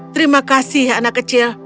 terima kasih anak kecil